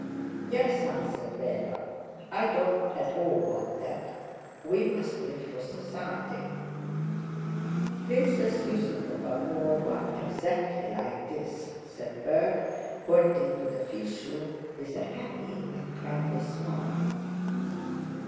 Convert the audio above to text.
"Yes," answered Véra, "I don't at all want that. We must live for society." "Princess Yusúpova wore one exactly like this," said Berg, pointing to the fichu with a happy and kindly smile.